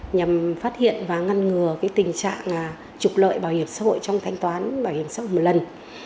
nhằm phát hiện và ngăn ngừa tình trạng trục lợi bảo hiểm xã hội trong thanh toán bảo hiểm xã hội một lần